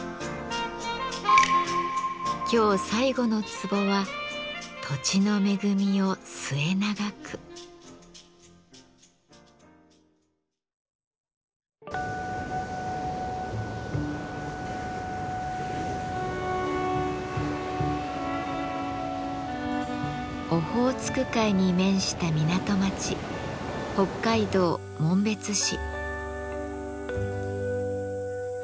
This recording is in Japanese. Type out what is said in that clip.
今日最後のツボはオホーツク海に面した港町北海道紋別市。